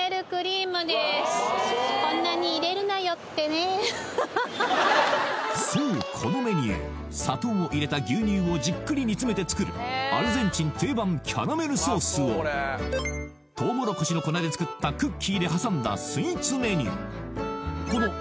今度はハハハハそうこのメニュー砂糖を入れた牛乳をじっくり煮詰めて作るアルゼンチン定番キャラメルソースをとうもろこしの粉で作ったクッキーで挟んだスイーツメニュー